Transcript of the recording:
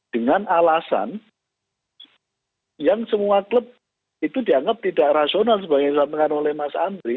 dengan alasan yang semua klub itu dianggap tidak rasional sebagai yang disampaikan oleh mas andri